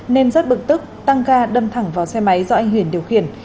nên rất bực tức tăng ga đâm thẳng vào xe máy do anh huyền điều khiển